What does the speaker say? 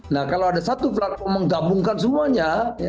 nah kalau ada satu platform menggabungkan semuanya